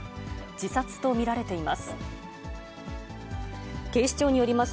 自殺と見られています。